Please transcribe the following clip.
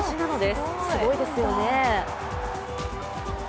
すごいですよね。